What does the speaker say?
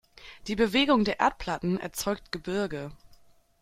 Die Bewegung der Erdplatten erzeugt Gebirge.